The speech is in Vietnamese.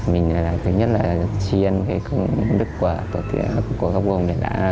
mình thứ nhất là chiên đức của tổ tiên đền hùng